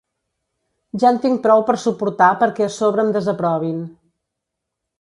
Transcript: Ja en tinc prou per suportar perquè a sobre em desaprovin.